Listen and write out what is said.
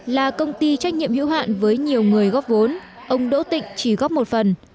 là công ty trách nhiệm hữu hạn với nhiều người góp vốn ông đỗ tịnh chỉ góp một phần